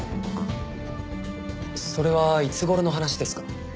それはいつ頃の話ですか？